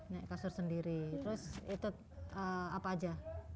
naik kasur sendiri terus itu apa aja